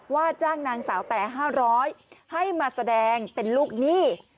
ว่าจ้างนางสาวแต่๕๐๐ให้มาแสดงเป็นลูกหนี้